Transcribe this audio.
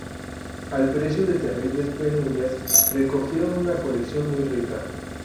Al precio de terribles penurias, recogieron una colección muy rica.